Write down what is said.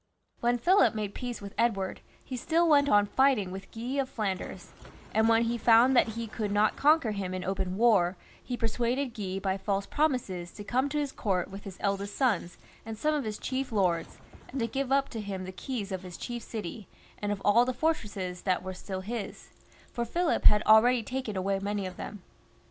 When Philip made peace with Edward, he still went on fighting with Guy of Flanders, and when he found that he could not conquer him in open war, he persuaded Guy by false promises to come to his court with his eldest sons and some of his chief lords, and to give up to him the keys of his chief city, and of all the fortresses that were still his ; for Philip had already taken away many of them.